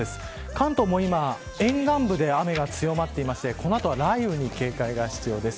関東も今沿岸部で雨が強まっていましてこの後は雷雨に警戒が必要です。